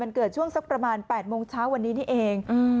เกิดช่วงสักประมาณ๘โมงเช้าวันนี้นี่เอง